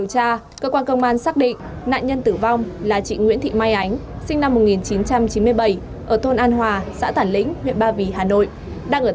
tại cơ quan công an hải khai từ năm hai nghìn một mươi chín có quan hệ tình cảm với anh hoàng